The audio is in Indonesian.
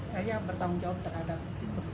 pertanggung jawab terhadap